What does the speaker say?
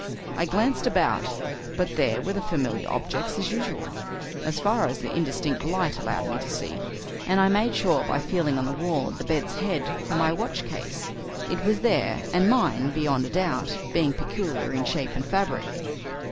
I glanced about, but there were the familiar objects as usual, as far as the indistinct light allowed me to see, and I made sure by feeling on the wall at the bed's head for my watchcase. It was there, and mine beyond a doubt, being peculiar in shape and fabric.